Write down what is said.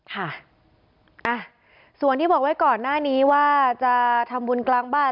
ค่ะส่วนที่บอกไว้ก่อนหน้านี้ว่าจะทำบุญกลางบ้าน